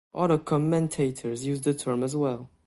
Other commentators used the term as well.